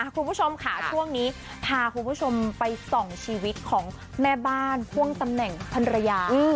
คุณผู้ชมค่ะช่วงนี้พาคุณผู้ชมไปส่องชีวิตของแม่บ้านพ่วงตำแหน่งพันรยา